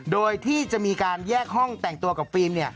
โดยที่จะมีการแยกห้องแต่งตัวกับฟิล์ม